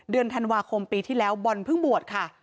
เดือนธันวาคมปีที่แล้วบอลเพิ่งบวชค่ะ